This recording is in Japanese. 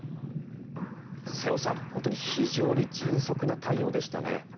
瀬尾さん、非常に迅速な対応でしたね。